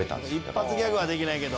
「一発ギャグはできないけど」